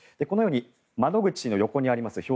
このように窓口の横にあります